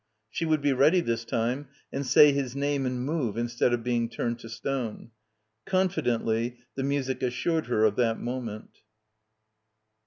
She would be ready this time and say his name and move instead of being turned to stone. Confidently the music assured her of that moment.